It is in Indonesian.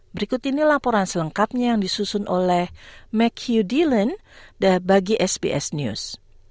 berikut ini laporan selengkapnya yang disusun oleh mchugh dillon bagi sbs news